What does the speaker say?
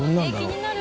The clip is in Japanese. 気になる。